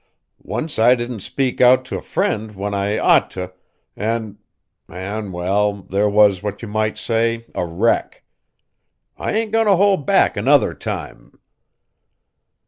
Once I didn't speak out t' a friend when I ought t', an' an', well, there was, what you might say, a wreck! I ain't goin' t' hold back another time.